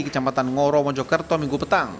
kecamatan ngoro mojokerto minggu petang